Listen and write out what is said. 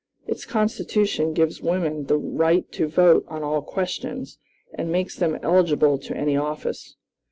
Its Constitution gives women the right to vote on all questions, and makes them eligible to any office.